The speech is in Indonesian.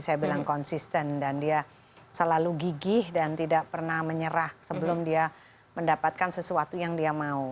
saya bilang konsisten dan dia selalu gigih dan tidak pernah menyerah sebelum dia mendapatkan sesuatu yang dia mau